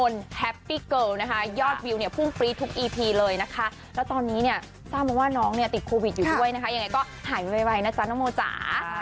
แล้วตอนนี้เนี่ยทราบมาว่าน้องเนี่ยติดโควิดอยู่ด้วยนะคะยังไงก็หายไวนะจ๊ะน้องโมจ๋า